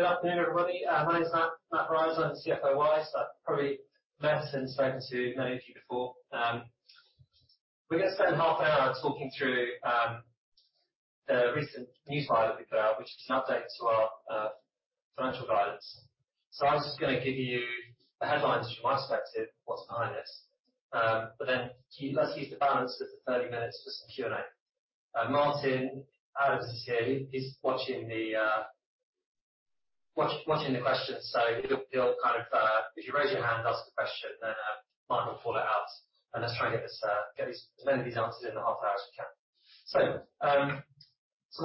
Good afternoon, everybody. My name is Matt Briers, CFO Wise. I've probably met and spoken to many of you before. We're gonna spend half an hour talking through the recent news item we put out, which is an update to our financial guidance. I was just gonna give you the headlines from my perspective, what's behind this. But then let's use the balance of the 30 minutes for some Q&A. Martin Adams is here. He's watching the questions, so he'll kind of if you raise your hand, ask the question, then Martin will call it out. Let's try and get as many of these answers in the half hour as we can.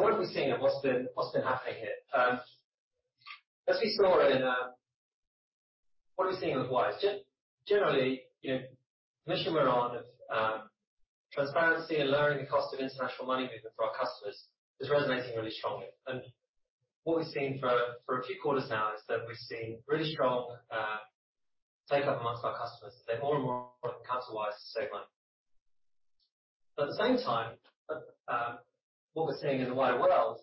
What have we seen and what's been happening here? What are we seeing with Wise? Generally, you know, the mission we're on of transparency and lowering the cost of international money movement for our customers is resonating really strongly. What we've seen for a few quarters now is that we've seen really strong take-up among our customers. They more and more come to Wise to save money. At the same time, what we're seeing in the wider world,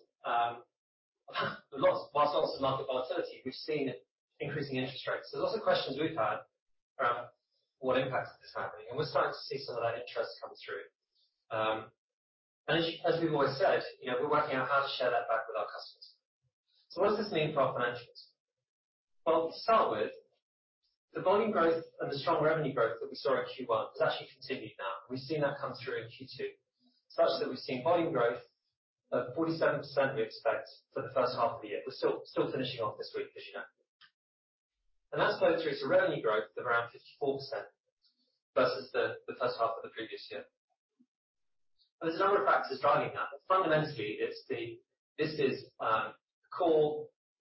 we've also, while lots of market volatility, we've seen increasing interest rates. Lots of questions we've had around what impact is this having, and we're starting to see some of that interest come through. As we've always said, you know, we're working out how to share that back with our customers. What does this mean for our financials? Well, to start with, the volume growth and the strong revenue growth that we saw in Q1 has actually continued now. We've seen that come through in Q2, such that we've seen volume growth of 47% we expect for the first half of the year. We're still finishing off this week, as you know. That's flowed through to revenue growth of around 54% versus the first half of the previous year. There's a number of factors driving that, but fundamentally, it's the core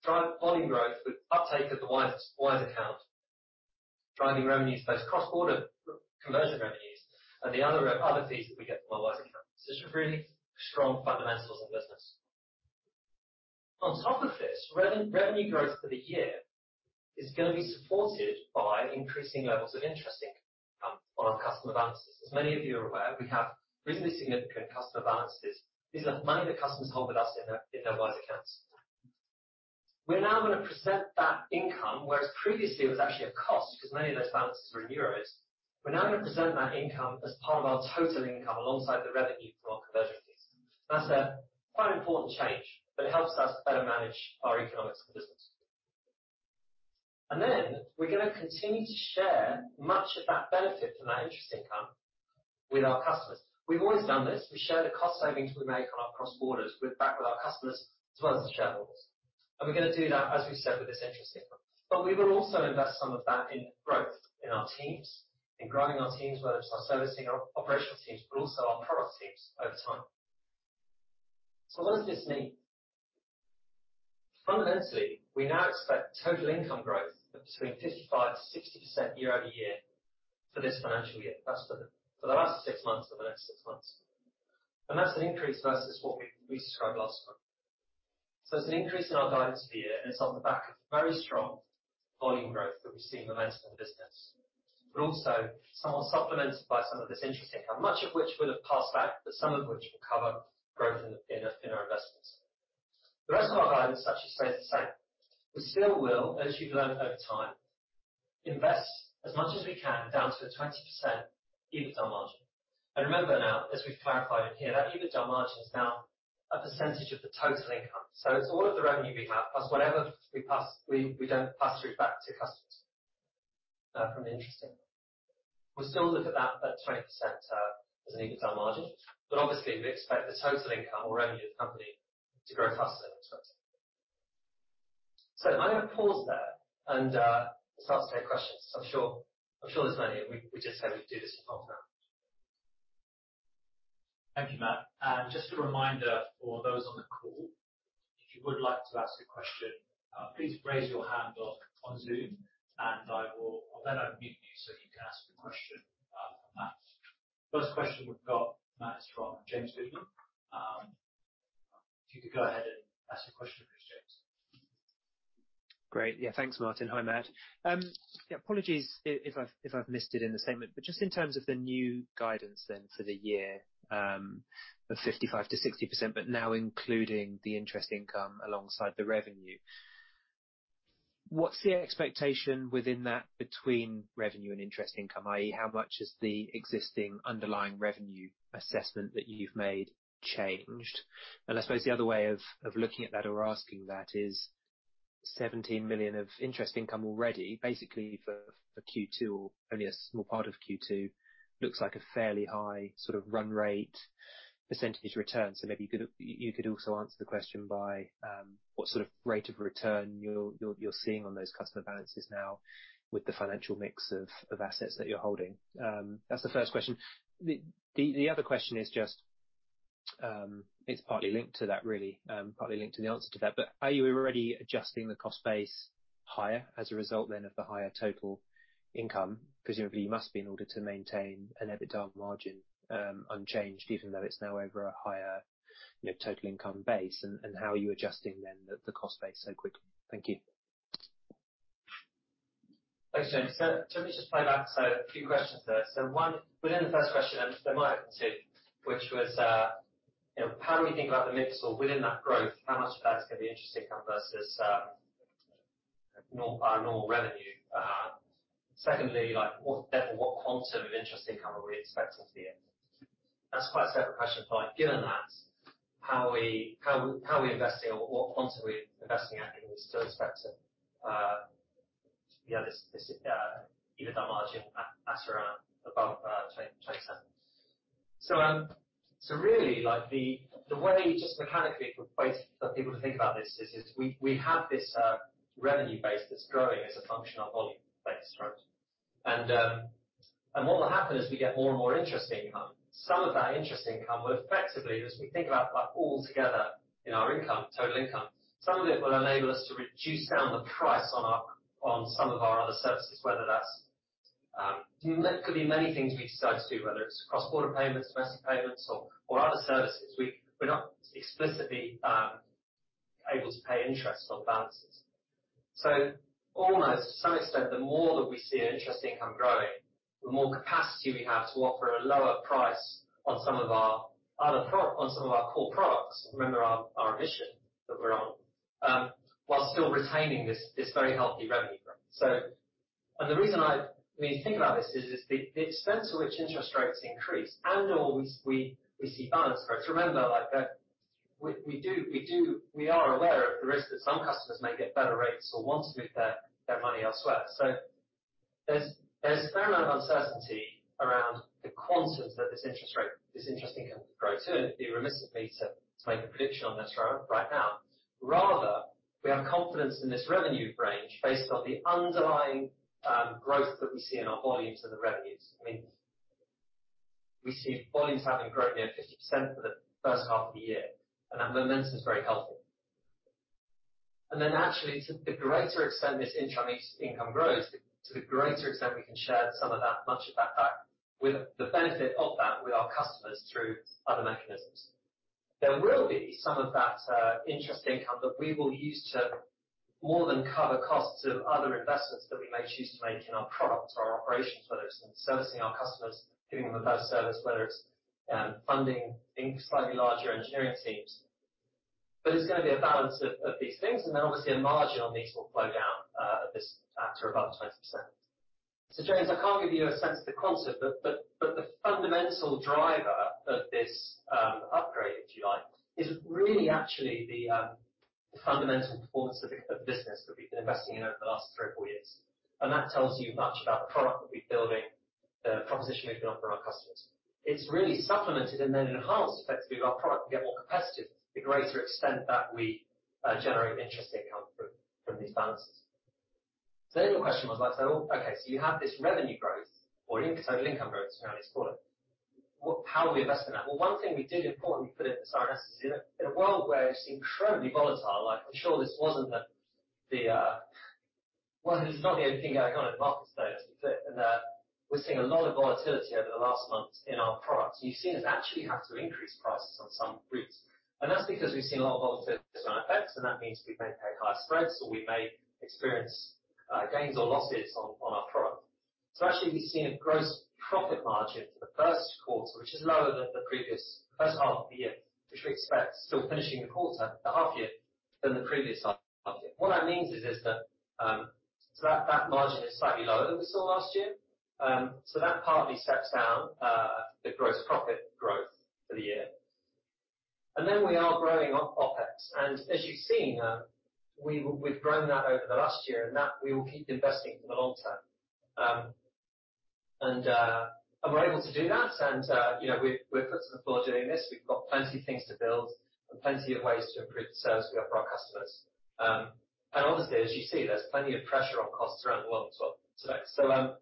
drive volume growth with uptake of the Wise Account, driving revenues, both cross-border conversion revenues and the other fees that we get from our Wise Accounts. It's really strong fundamentals of business. On top of this, revenue growth for the year is gonna be supported by increasing levels of interest income on our customer balances. As many of you are aware, we have reasonably significant customer balances. These are money that customers hold with us in their Wise Accounts. We're now gonna present that income, whereas previously it was actually a cost because many of those balances were in euros. We're now gonna present that income as part of our total income alongside the revenue from our conversion fees. That's a quite important change, but it helps us to better manage our economics of the business. We're gonna continue to share much of that benefit from our interest income with our customers. We've always done this. We share the cost savings we make on our cross-border back with our customers, as well as the shareholders. We're gonna do that, as we've said, with this interest income. We will also invest some of that in growth in our teams, in growing our teams, whether it's our servicing or operational teams, but also our product teams over time. What does this mean? Fundamentally, we now expect total income growth of between 55%-60% year-over-year for this financial year. That's for the last six months and the next six months. That's an increase versus what we described last month. It's an increase in our guidance for the year, and it's off the back of very strong volume growth that we see in the rest of the business, but also somewhat supplemented by some of this interest income, much of which we'll have passed back, but some of which will cover growth in our investments. The rest of our guidance actually stays the same. We still will, as you've learned over time, invest as much as we can down to a 20% EBITDA margin. Remember now, as we've clarified in here, that EBITDA margin is now a percentage of the total income. It's all of the revenue we have, plus whatever we pass, we don't pass through back to customers from the interest income. We still look at that at 20% as an EBITDA margin, but obviously we expect the total income or revenue of the company to grow faster. I'm gonna pause there and start to take questions. I'm sure there's many. We just said we'd do this for half an hour. Thank you, Matt. Just a reminder for those on the call, if you would like to ask a question, please raise your hand on Zoom, and I will then unmute you, so you can ask your question to Matt. First question we've got, Matt, is from James Goodman. If you could go ahead and ask your question, please, James. Great. Yeah, thanks, Martin. Hi, Matt. Apologies if I've missed it in the statement, but just in terms of the new guidance then for the year, of 55%-60%, but now including the interest income alongside the revenue. What's the expectation within that between revenue and interest income? i.e., how much is the existing underlying revenue assessment that you've made changed? I suppose the other way of looking at that or asking that is 17 million of interest income already, basically for Q2 or only a small part of Q2, looks like a fairly high sort of run rate percentage return. Maybe you could also answer the question by what sort of rate of return you're seeing on those customer balances now with the financial mix of assets that you're holding. That's the first question. The other question is just, it's partly linked to that really, partly linked to the answer to that, but are you already adjusting the cost base higher as a result then of the higher total income? Presumably, you must be in order to maintain an EBITDA margin unchanged, even though it's now over a higher, you know, total income base. How are you adjusting then the cost base so quickly? Thank you. Thanks, James. Let me just play back. A few questions there. One, within the first question, there might have been two, which was, you know, how do we think about the mix or within that growth, how much of that is going to be interest income versus our normal revenue? Secondly, like what, therefore, what quantum of interest income are we expecting for the year? That's quite a separate question, but given that, how are we investing or what quantum are we investing at, and we still expect to, you know, this EBITDA margin at around above 20%. Really, like the way just mechanically for Wise for people to think about this is we have this revenue base that's growing as a function of volume-based, right? What will happen is we get more and more interest income. Some of that interest income will effectively, as we think about that all together in our income, total income, some of it will enable us to reduce down the price on some of our other services, whether that's it could be many things we decide to do, whether it's cross-border payments, domestic payments or other services. We're not explicitly able to pay interest on balances. Almost to some extent, the more that we see our interest income growing, the more capacity we have to offer a lower price on some of our core products. Remember our mission that we're on while still retaining this very healthy revenue growth. The reason, when you think about this, is the extent to which interest rates increase and/or we see balance growth. Remember, like, we are aware of the risk that some customers may get better rates or want to move their money elsewhere. There's a fair amount of uncertainty around the quantum that this interest rate, this interest income could grow to, and it'd be remiss of me to make a prediction on this right now. Rather, we have confidence in this revenue range based on the underlying growth that we see in our volumes and the revenues. I mean, we see volumes having grown near 50% for the first half of the year, and that momentum is very healthy. Naturally, to the greater extent this interest income grows, to the greater extent we can share some of that, much of that back with the benefit of that with our customers through other mechanisms. There will be some of that interest income that we will use to more than cover costs of other investments that we may choose to make in our products or our operations, whether it's in servicing our customers, giving them a better service, whether it's funding slightly larger engineering teams. There's gonna be a balance of these things. Then obviously a margin on these will flow down at or above 20%. James, I can't give you a sense of the quantum, but the fundamental driver of this upgrade, if you like, is really actually the fundamental performance of the business that we've been investing in over the last three or four years. That tells you much about the product that we're building, the proposition we've been offering our customers. It's really supplemented and then enhanced effectively with our product to get more competitive to the greater extent that we generate interest income from these balances. Your question was like, so, okay, so you have this revenue growth or total income growth, as we now call it. How are we investing that? One thing we did importantly put it in the RNS is in a world where it's incredibly volatile, like I'm sure this wasn't the. Well, this is not the only thing going on in the market today, but we're seeing a lot of volatility over the last month in our products. You've seen us actually have to increase prices on some routes, and that's because we've seen a lot of volatility around FX, and that means we may pay higher spreads or we may experience gains or losses on our product. Actually, we've seen a gross profit margin for the first quarter, which is lower than the previous first half of the year, which we expect still finishing the quarter, the half year, than the previous half year. What that means is that margin is slightly lower than we saw last year. That partly steps down the gross profit growth for the year. We are growing OpEx. As you've seen, we've grown that over the last year and we will keep investing for the long term. We're able to do that. You know, we've put some thought doing this. We've got plenty of things to build and plenty of ways to improve the service we offer our customers. Obviously, as you see, there's plenty of pressure on costs around the world as well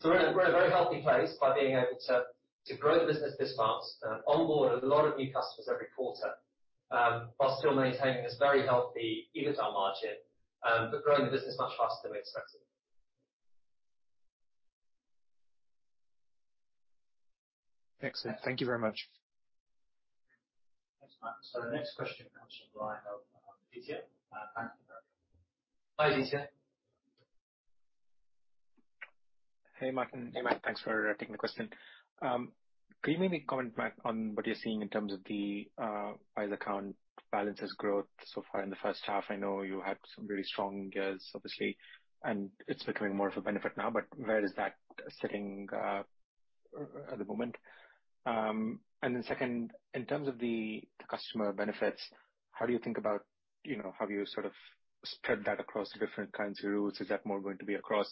today. We're in a very healthy place by being able to grow the business this fast, onboard a lot of new customers every quarter, while still maintaining this very healthy EBITDA margin, but growing the business much faster than we expected. Excellent. Thank you very much. Thanks. The next question comes from the line of Didier. Thank you very much. Hi Didier. Hey Martin. Hey Matt. Thanks for taking the question. Can you maybe comment, Matt, on what you're seeing in terms of the account balances growth so far in the first half? I know you had some really strong years obviously, and it's becoming more of a benefit now, but where is that sitting at the moment? And then second, in terms of the customer benefits, how do you think about, you know, have you sort of spread that across different kinds of routes? Is that more going to be across,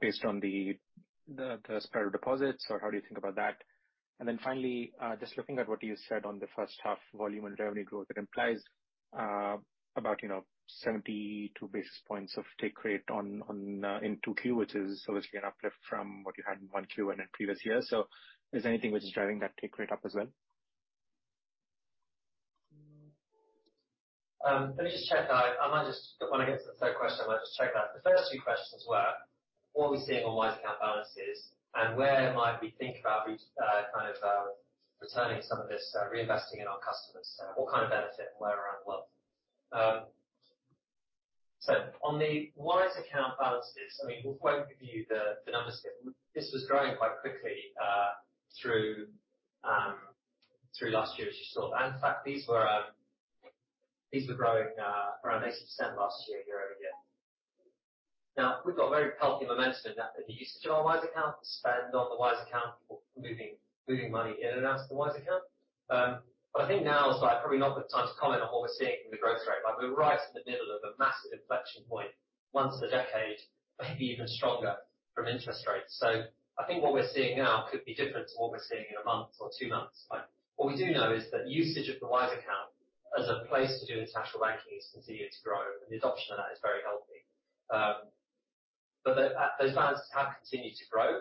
based on the spread of deposits? Or how do you think about that? Finally, just looking at what you said on the first half volume and revenue growth, it implies about, you know, 72 basis points of take rate on in 2Q, which is obviously an uplift from what you had in 1Q and in previous years. Is anything which is driving that take rate up as well? Let me just check that. I might just. When I get to the third question, I might just check that. The first two questions were what are we seeing on Wise Account balances, and where might we think about returning some of this, reinvesting in our customers? What kind of benefit and where around the world? On the Wise Account balances, I mean, we won't give you the numbers here. This was growing quite quickly through last year as you saw. In fact, these were growing around 18% last year-over-year. Now, we've got very healthy momentum in that usage on Wise Accounts, spend on the Wise Account, people moving money in and out of the Wise Account. I think now is, like, probably not good time to comment on what we're seeing from the growth rate. Like, we're right in the middle of a massive inflection point, once in a decade, maybe even stronger from interest rates. I think what we're seeing now could be different to what we're seeing in a month or two months. What we do know is that usage of the Wise Account as a place to do international banking is continuing to grow, and the adoption of that is very healthy. Those balances have continued to grow.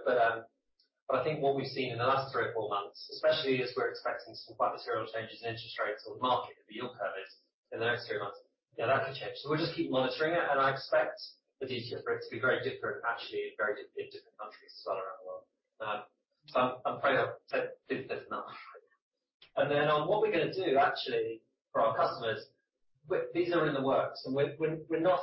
I think what we've seen in the last three or four months, especially as we're expecting some quite material changes in interest rates or the market, the yield curve, in the next three months, yeah, that could change. We'll just keep monitoring it, and I expect the detail for it to be very different, actually, in different countries as well around the world. I'm afraid I've said I didn't say enough. Then on what we're gonna do, actually, for our customers, these are in the works, and we're not,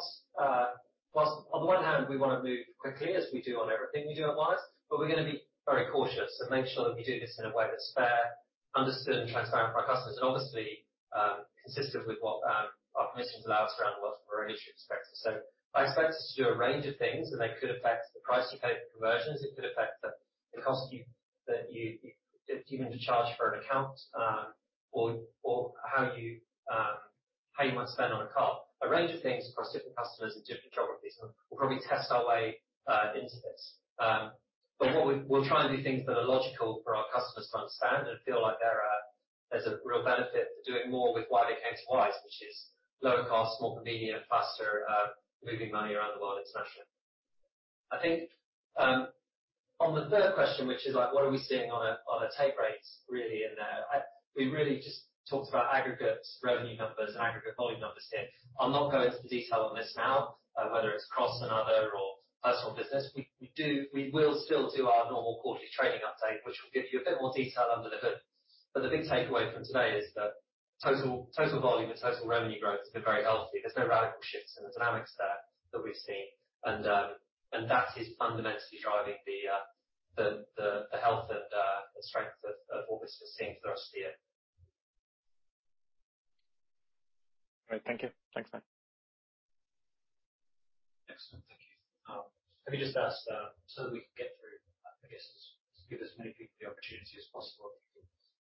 while on the one hand, we wanna move quickly as we do on everything we do at Wise, but we're gonna be very cautious and make sure that we do this in a way that's fair, understood, and transparent for our customers, and obviously, consistent with what our permissions allow us around the world from a regulatory perspective. I expect us to do a range of things, and they could affect the price you pay for conversions. It could affect the cost to you if you're going to charge for an account, or how you might spend on a card. A range of things across different customers and different geographies. We'll probably test our way into this. We'll try and do things that are logical for our customers to understand and feel like there's a real benefit to doing more with why they came to Wise, which is lower cost, more convenient, faster, moving money around the world internationally. I think on the third question, which is like, what are we seeing on a take rate really in there? We really just talked about aggregate revenue numbers and aggregate volume numbers here. I'll not go into the detail on this now, whether it's cross-border or personal business. We will still do our normal quarterly trading update, which will give you a bit more detail under the hood. But the big takeaway from today is that total volume and total revenue growth has been very healthy. There's no radical shifts in the dynamics there that we've seen. That is fundamentally driving the health and the strength of what we're seeing for the rest of the year. Great. Thank you. Thanks, Matt. Excellent. Thank you. Let me just ask, so that we can get through, I guess, give as many people the opportunity as possible. If you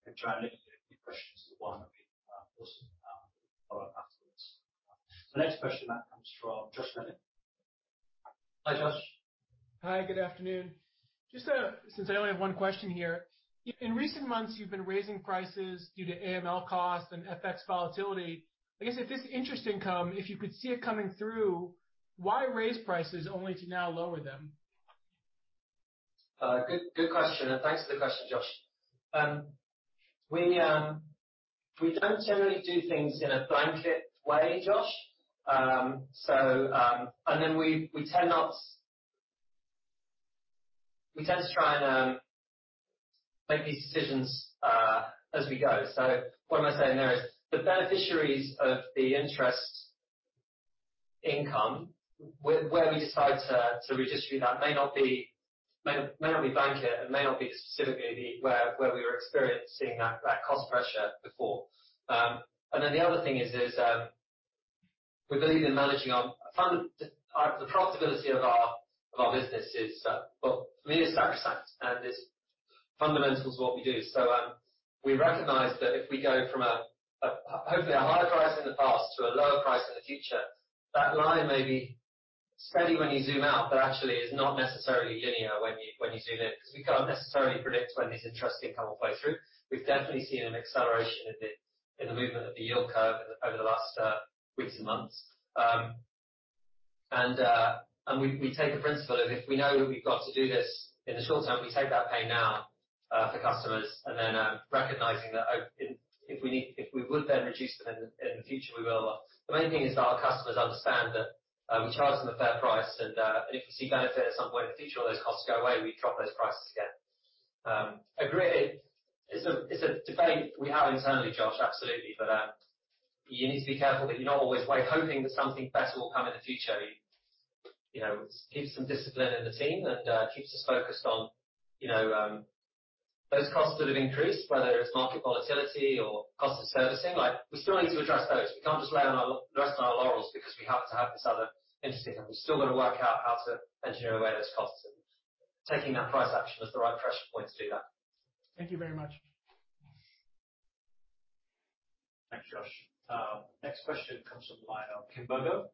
can try and limit your questions to one, that'd be awesome. Follow up afterwards. The next question comes from Josh Levin. Hi Josh. Hi, good afternoon. Just, since I only have one question here. In recent months, you've been raising prices due to AML costs and FX volatility. I guess if this interest income, if you could see it coming through, why raise prices only to now lower them? Good question. Thanks for the question, Josh. We don't generally do things in a blanket way, Josh. We tend to try and make these decisions as we go. What I'm saying there is the beneficiaries of the interest income where we decide to redistribute that may not be blanket. It may not be specifically the where we were experiencing that cost pressure before. The other thing is we believe in managing the profitability of our business. Well, for me it's sacrosanct, and it's fundamental to what we do. We recognize that if we go from hopefully a higher price in the past to a lower price in the future, that line may be steady when you zoom out, but actually is not necessarily linear when you zoom in, because we can't necessarily predict when this interest income will flow through. We've definitely seen an acceleration in the movement of the yield curve over the last weeks and months. We take a principle of it we know we've got to do this in the short term, we take that pain now for customers, and then recognizing that if we would then reduce them in the future, we will. The main thing is that our customers understand that we charge them a fair price. If we see benefit at some point in the future or those costs go away, we drop those prices again. Agree. It's a debate we have internally, Josh. Absolutely. But you need to be careful that you're not always way hoping that something better will come in the future. You know, keeps some discipline in the team and keeps us focused on, you know, those costs that have increased, whether it's market volatility or cost of servicing. Like, we still need to address those. We can't just rest on our laurels because we happen to have this other interest income. We've still got to work out how to engineer away those costs. Taking that price action is the right pressure point to do that. Thank you very much. Thanks, Josh. Next question comes from the line of Kim Bergoe. Hi Kim.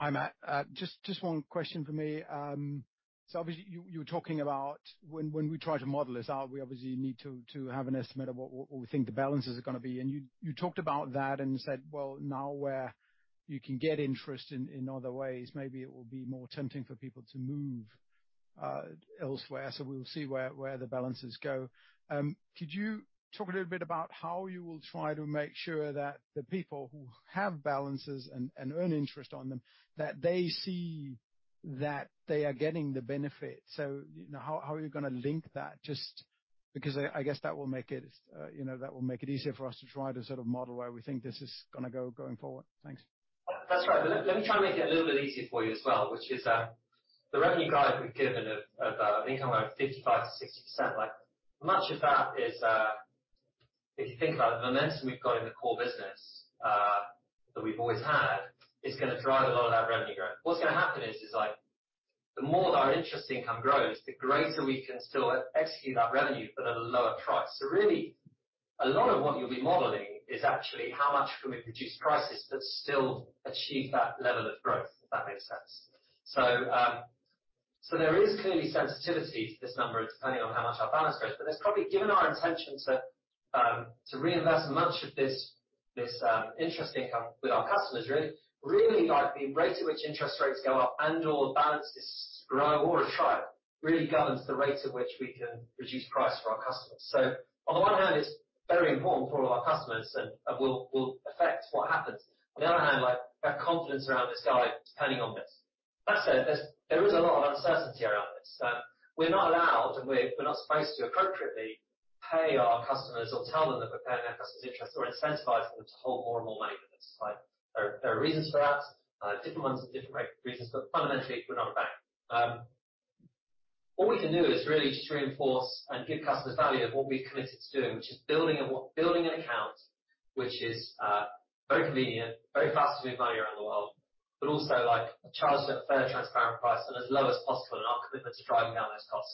Hi, Matt. Just one question for me. Obviously you were talking about when we try to model this out, we obviously need to have an estimate of what we think the balances are gonna be. You talked about that and said, "Well, now where you can get interest in other ways, maybe it will be more tempting for people to move elsewhere." We'll see where the balances go. Could you talk a little bit about how you will try to make sure that the people who have balances and earn interest on them, that they see that they are getting the benefit? You know, how are you gonna link that? Just because I guess, you know, that will make it easier for us to try to sort of model where we think this is gonna go going forward. Thanks. That's right. Let me try and make it a little bit easier for you as well, which is, the revenue guide we've given of, I think around 55%-60%, like, much of that is, if you think about the momentum we've got in the core business, that we've always had, is gonna drive a lot of that revenue growth. What's gonna happen is like the more that our interest income grows, the greater we can still execute that revenue but at a lower price. Really, a lot of what you'll be modeling is actually how much can we reduce prices but still achieve that level of growth, if that makes sense. There is clearly sensitivity to this number depending on how much our balance grows. Given our intention to reinvest much of this interest income with our customers, really like the rate at which interest rates go up and/or balances grow or shrink really governs the rate at which we can reduce price for our customers. On the one hand, it's very important for all of our customers and will affect what happens. On the other hand, like our confidence around this guide is depending on this. That said, there is a lot of uncertainty around this. We're not allowed and we're not supposed to appropriately pay our customers or tell them that we're paying our customers interest or incentivize them to hold more and more money with us. Like, there are reasons for that, different ones, different reasons, but fundamentally we're not a bank. All we can do is really just reinforce and give customers value of what we've committed to doing, which is building an account which is very convenient, very fast to move money around the world, but also like charged at a fair, transparent price and as low as possible in our commitment to driving down those costs.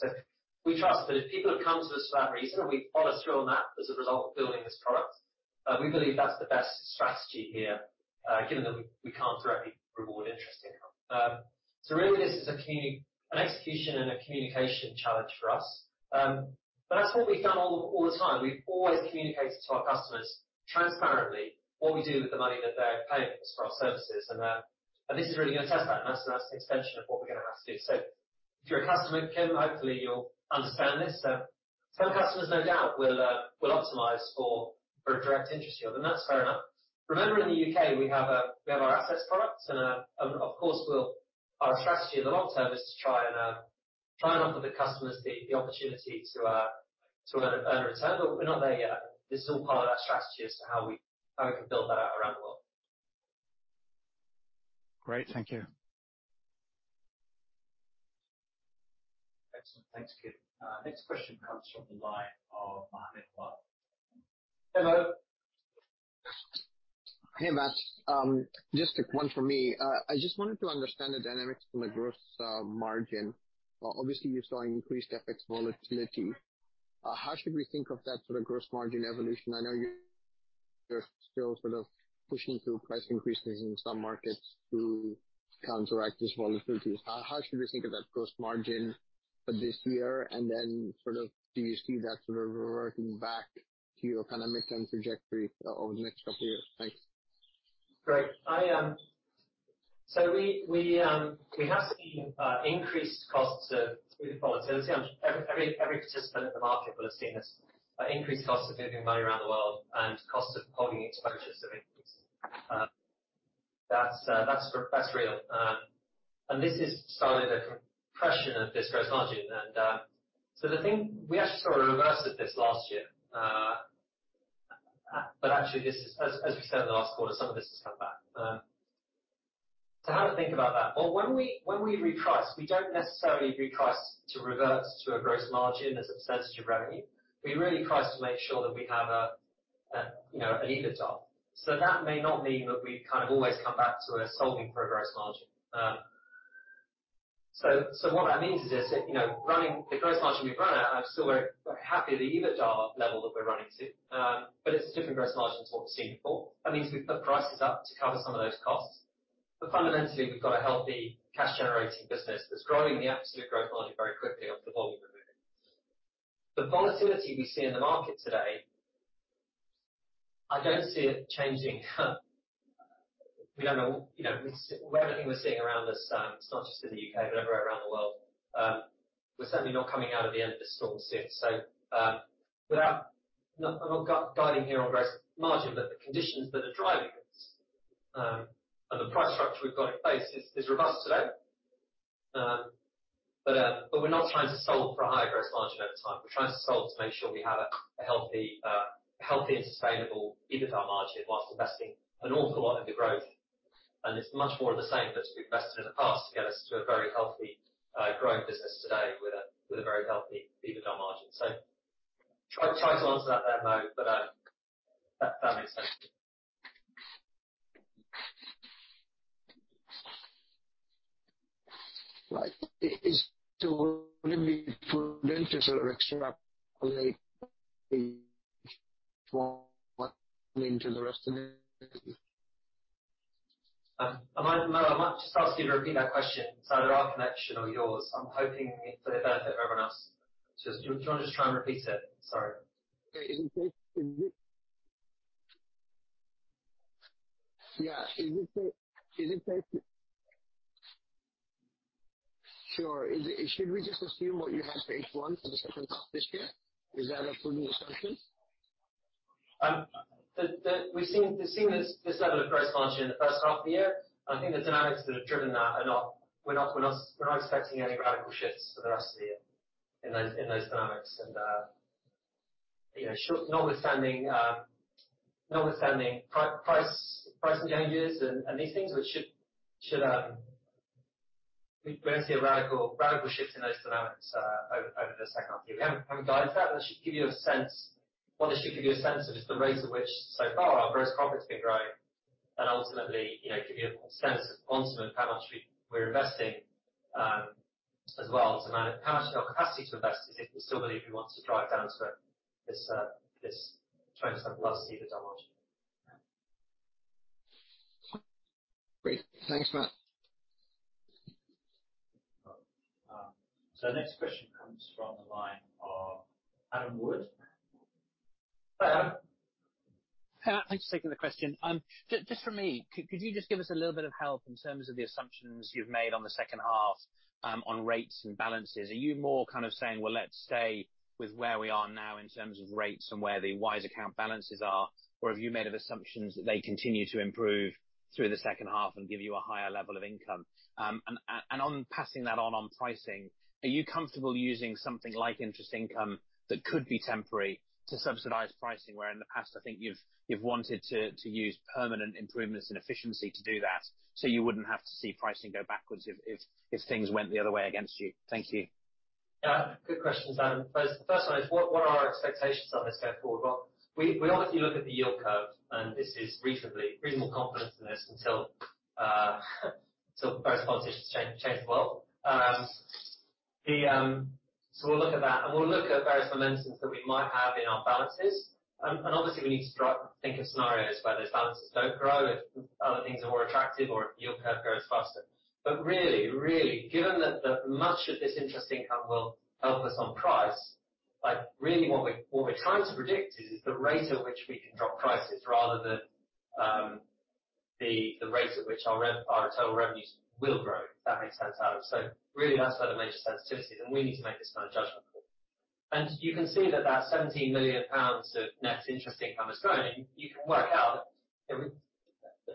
We trust that if people have come to us for that reason and we follow through on that as a result of building this product, we believe that's the best strategy here, given that we can't directly reward interest income. Really this is an execution and a communication challenge for us. That's what we've done all the time. We've always communicated to our customers transparently what we do with the money that they're paying for us for our services. This is really gonna test that, and that's the extension of what we're gonna have to do. If you're a customer, Kim, hopefully you'll understand this. Some customers no doubt will optimize for a direct interest yield, and that's fair enough. Remember, in the U.K. we have our assets product and of course we'll, our strategy in the long term is to try and offer the customers the opportunity to earn a return. We're not there yet. This is all part of our strategy as to how we can build that out around the world. Great. Thank you. Excellent. Thanks, Kim. Next question comes from the line of Mohammed Moawalla. Hello. Hey, Matt. Just one for me. I just wanted to understand the dynamics from the gross margin. Obviously, you're seeing increased FX volatility. How should we think of that sort of gross margin evolution? I know you're still sort of pushing through price increases in some markets to counteract this volatility. How should we think of that gross margin for this year? Sort of do you see that sort of reverting back to your kind of mid-term trajectory over the next couple of years? Thanks. Great. We have seen increased costs of volatility. Every participant in the market will have seen this. Increased costs of moving money around the world and costs of holding exposures have increased. That's real. This is certainly the compression of this gross margin. We actually sort of reversed this last year. Actually this is as we said in the last quarter, some of this has come back. How to think about that? When we reprice, we don't necessarily reprice to revert to a gross margin as a percentage of revenue. We really price to make sure that we have, you know, an EBITDA. That may not mean that we kind of always come back to a solving for a gross margin. What that means is that, you know, running the gross margin we've run at, I'm still very, very happy at the EBITDA level that we're running to. It's a different gross margin to what we've seen before. That means we've put prices up to cover some of those costs. Fundamentally, we've got a healthy cash generating business that's growing the absolute gross margin very quickly off the volume we're moving. The volatility we see in the market today, I don't see it changing. We don't know. You know, with everything we're seeing around us, it's not just in the U.K., but everywhere around the world, we're certainly not coming out of the end of this storm soon. Without... I'm not guiding here on gross margin, but the conditions that are driving this, and the price structure we've got in place is robust today. But we're not trying to solve for a higher gross margin over time. We're trying to solve to make sure we have a healthy and sustainable EBITDA margin whilst investing an awful lot in the growth. It's much more of the same that we've invested in the past to get us to a very healthy growing business today with a very healthy EBITDA margin. Tried to answer that there, Mo, but if that makes sense. Right. Is there any way for the interest or extract only the small what into the rest of it? I might, Mo, I might just ask you to repeat that question. It's either our connection or yours. I'm hoping for the benefit of everyone else. Just do you wanna just try and repeat it? Sorry. In case- Should we just assume what you have for H1 for the second half of this year? Is that a prudent assumption? We've seen this level of gross margin in the first half of the year. I think the dynamics that have driven that. We're not expecting any radical shifts for the rest of the year in those dynamics. You know, notwithstanding pricing changes and these things. We don't see a radical shifts in those dynamics over the second half of the year. We haven't guided that. That should give you a sense. What this should give you a sense of is the rate at which so far our gross profit's been growing and ultimately, you know, give you a sense of the quantum of how much we're investing, as well as the amount of capacity to invest if we still believe we want to drive down to this 20%+ EBITDA margin. Great. Thanks, Matt. The next question comes from the line of Adam Wood. Hi, Adam. Hi. Thanks for taking the question. Just for me, could you just give us a little bit of help in terms of the assumptions you've made on the second half, on rates and balances? Are you more kind of saying, "Well, let's stay with where we are now in terms of rates and where the Wise Account balances are?" Or have you made other assumptions that they continue to improve through the second half and give you a higher level of income? And on passing that on pricing, are you comfortable using something like interest income that could be temporary to subsidize pricing, where in the past I think you've wanted to use permanent improvements in efficiency to do that, so you wouldn't have to see pricing go backwards if things went the other way against you? Thank you. Yeah. Good questions, Adam. First, the first one is what are our expectations on this going forward? Well, we obviously look at the yield curve, and we're reasonably confident in this until various politicians change the world. We'll look at that, and we'll look at various momentum that we might have in our balances. Obviously we need to try to think of scenarios where those balances don't grow if other things are more attractive or if the yield curve grows faster. Really, given that much of this interest income will help us on price, like, really what we're trying to predict is the rate at which we can drop prices rather than the rate at which our total revenues will grow. If that makes sense, Adam. Really that's where the major sensitivity is, and we need to make this kind of judgment call. You can see that that 17 million pounds of net interest income is growing. You can work out that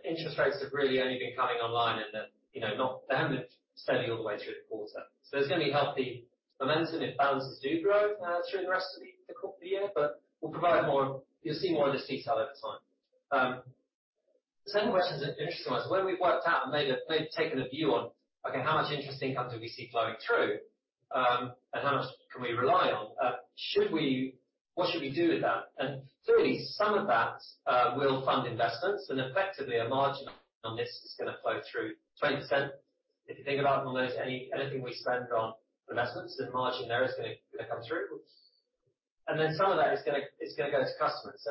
interest rates have really only been coming online in the, you know, they haven't been steady all the way through the quarter. There's going to be healthy momentum if balances do grow, through the rest of the year, but we'll provide more. You'll see more of this detail over time. The second question is an interesting one. When we've worked out and taken a view on, okay, how much interest income do we see flowing through, and how much can we rely on, what should we do with that? Clearly some of that will fund investments and effectively a margin on this is gonna flow through 20%. If you think about almost anything we spend on investments, the margin there is gonna come through. Some of that is gonna go to customers.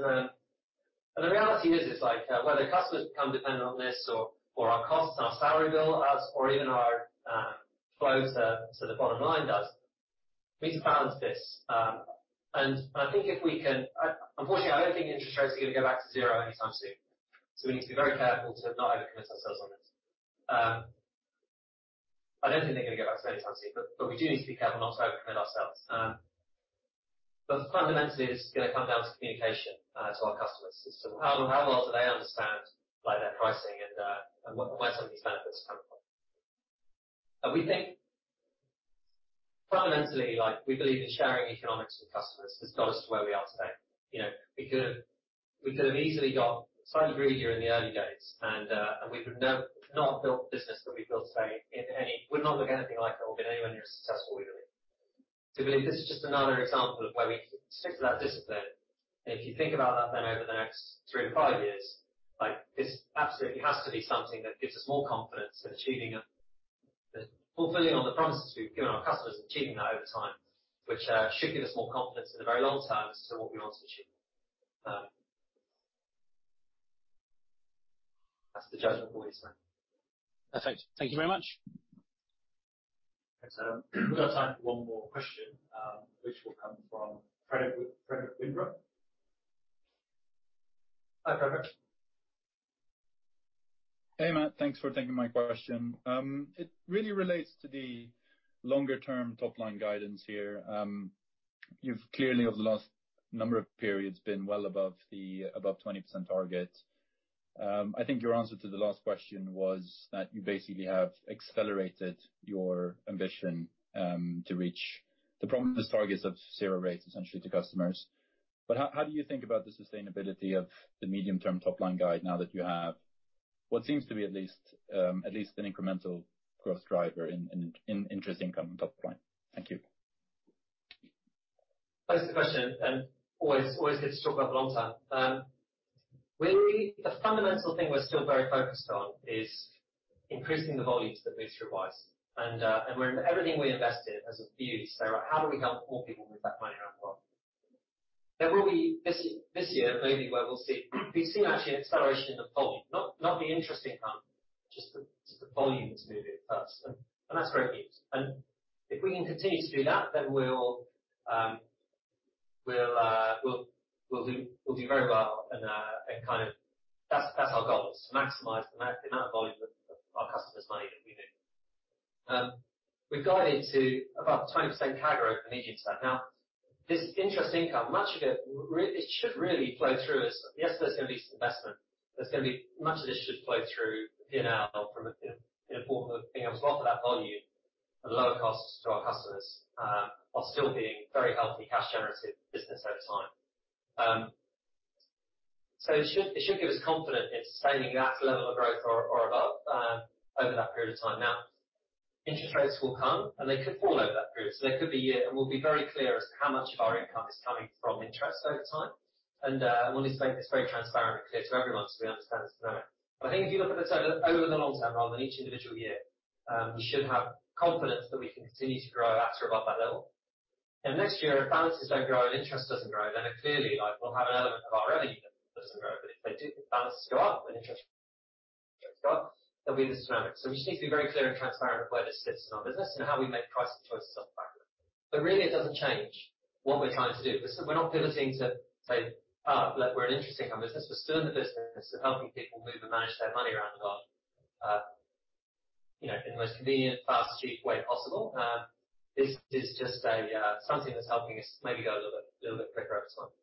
The reality is like whether customers become dependent on this or our costs and our salary bill does or even our flows to the bottom line does, we need to balance this. I think if we can. Unfortunately, I don't think interest rates are going to go back to zero anytime soon. We need to be very careful to not over-commit ourselves on this. I don't think they're gonna go back to zero anytime soon, but we do need to be careful not to over-commit ourselves. Fundamentally this is gonna come down to communication to our customers. How well do they understand, like, their pricing and where some of these benefits are coming from? We think fundamentally, like we believe in sharing economics with customers has got us to where we are today. You know, we could have easily got slightly greedier in the early days and we would never not have built the business that we've built today would not look anything like it or been anywhere near as successful we believe. Believe this is just another example of where we stick to that discipline. If you think about that then over the next three to five years, like this absolutely has to be something that gives us more confidence in achieving fulfilling on the promises we've given our customers and achieving that over time, which should give us more confidence in the very long term as to what we want to achieve. That's the judgment call we say. Perfect. Thank you very much. Thanks, Adam. We've got time for one more question, which will come from Frederic Boulan. Hi, Frederic. Hey, Matt. Thanks for taking my question. It really relates to the longer term top line guidance here. You've clearly over the last number of periods been well above the 20% target. I think your answer to the last question was that you basically have accelerated your ambition to reach the promised targets of zero rates essentially to customers. But how do you think about the sustainability of the medium-term top line guide now that you have what seems to be at least an incremental growth driver in interest income and top line? Thank you. Thanks for the question, and always good to talk about the long term. Really the fundamental thing we're still very focused on is increasing the volumes that we service. Everything we invest in has a view to say, "How do we help more people move their money around the world?" There will be this year maybe where we'll see. We've seen actually an acceleration in the volume, not the interest income, just the volumes moving first. That's great news. If we can continue to do that, then we'll do very well and kind of. That's our goal is to maximize the amount of volume of our customers' money that we move. We've guided to about 20% CAGR over the medium term. Now, this interest income, much of it should really flow through as. Yes, there's gonna be some investment. Much of this should flow through P&L from, you know, in the form of being able to offer that volume at lower costs to our customers, while still being very healthy cash-generative business over time. It should give us confidence in sustaining that level of growth or above over that period of time. Now, interest rates will come, and they could fall over that period. There could be a year. We'll be very clear as to how much of our income is coming from interest over time. We'll need to make this very transparent and clear to everyone so we understand the dynamic. I think if you look at this over the long term rather than each individual year, we should have confidence that we can continue to grow at or above that level. Next year, if balances don't grow and interest doesn't grow, then clearly, like, we'll have an element of our revenue that doesn't grow. If they do, if balances go up and interest goes up, that'll be the dynamic. We just need to be very clear and transparent of where this sits in our business and how we make pricing choices off the back of it. Really, it doesn't change what we're trying to do. We're not pivoting to say, "Ah, we're an interest income business." We're still in the business of helping people move and manage their money around the world, you know, in the most convenient, fast, cheap way possible. This is just a something that's helping us maybe go a little bit quicker over the time.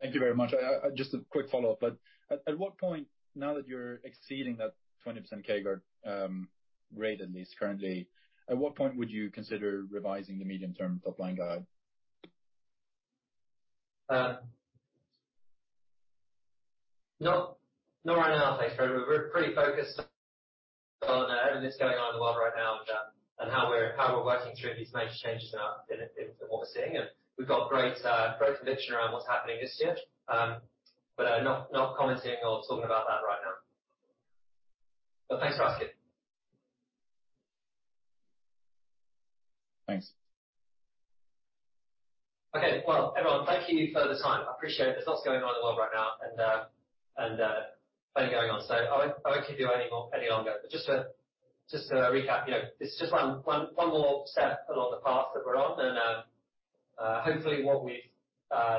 Thank you very much. Just a quick follow-up. At what point, now that you're exceeding that 20% CAGR rate at least currently, would you consider revising the medium-term top-line guide? Not right now. Thanks, Fred. We're pretty focused on everything that's going on in the world right now and how we're working through these major changes now in what we're seeing. We've got great conviction around what's happening this year. Not commenting or talking about that right now. Thanks for asking. Thanks. Okay. Well, everyone, thank you for the time. I appreciate it. There's lots going on in the world right now and plenty going on. I won't keep you any longer. Just to recap, you know, this is just one more step along the path that we're on and hopefully what we've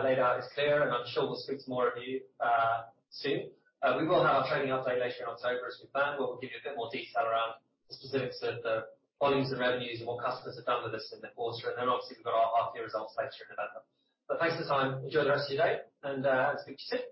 laid out is clear, and I'm sure we'll speak to more of you soon. We will have our trading update later in October as we planned, where we'll give you a bit more detail around the specifics of the volumes and revenues and what customers have done with us in the quarter. Obviously, we've got our half-year results later in November. Thanks for the time. Enjoy the rest of your day and, as good as you said.